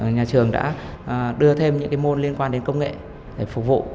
nhà trường đã đưa thêm những môn liên quan đến công nghệ để phục vụ